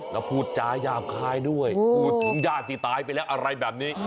แล้วพูดจาหยาบคายด้วยพูดถึงญาติที่ตายไปแล้วอะไรแบบนี้